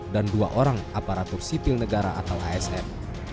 dan dua orang aparatur sipil negara atau asm